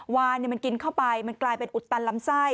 วานมันกินเข้าไปมันกลายเป็นอุดตันลำไส้